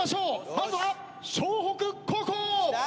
まずは笑北高校！